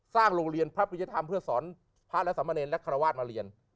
สร้างโรงเรียนพระปริยธรรมเพื่อสอนพระและสมเนรและคารวาสมาเรียน